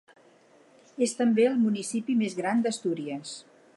És també el municipi més gran d'Astúries.